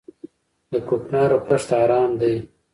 د کوکنارو کښت حرام دی؟